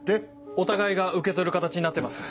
お互いが受け取る形になってます。